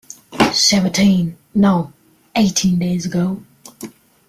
Seventeen, no, eighteen days ago.